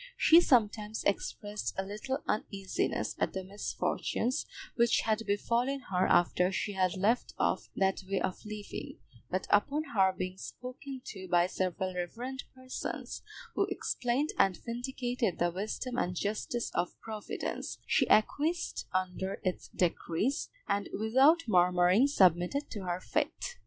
She sometimes expressed a little uneasiness at the misfortunes which had befallen her after she had left off that way of living, but upon her being spoken to by several reverend persons, who explained and vindicated the wisdom and justice of Providence, she acquiesced under its decrees, and without murmuring submitted to her fate.